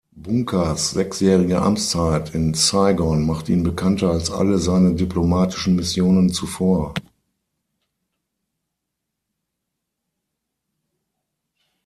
Bunkers sechsjährige Amtszeit in Saigon machte ihn bekannter als alle seine diplomatischen Missionen zuvor.